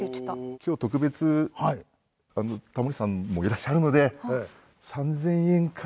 今日特別タモリさんもいらっしゃるので３０００円から。